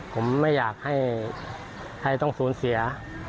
ผมไม่อยากให้ต้องสูญเสีย